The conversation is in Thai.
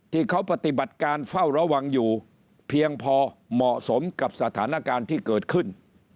ที่เขาปฏิบัติการเฝ้าระวังอยู่เพียงพอเหมาะสมกับสถานการณ์ที่เกิดขึ้น